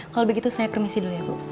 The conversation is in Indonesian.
kalau begitu saya permisi dulu ya bu